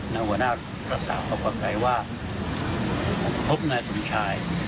หัวหน้ารักษาเขาก็ใกล้ว่าพบนายสุนชาย